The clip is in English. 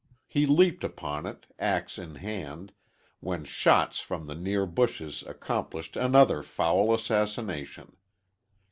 He leaped upon it, ax in hand, when shots from the near bushes accomplished another foul assassination.